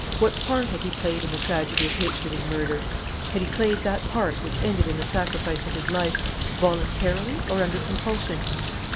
What part had he played in the tragedy of hatred and murder? Had he played that part, which ended in the sacrifice of his life, voluntarily or under compulsion?